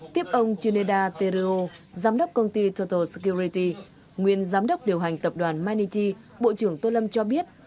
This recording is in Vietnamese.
tiếp ông chineda teruo giám đốc công ty total security nguyên giám đốc điều hành tập đoàn manichi bộ trưởng tô lâm cho biết